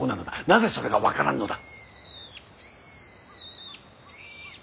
なぜそれが分からんのだ。